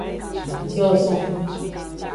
Zozon.